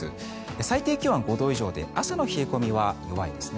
最低気温は５度以上で朝の冷え込みは弱いですね。